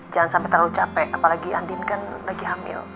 jangan sampai terlalu capek apalagi andin kan lagi hamil